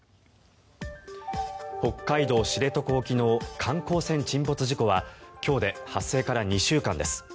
北海道・知床沖の観光船沈没事故は今日で発生から２週間です。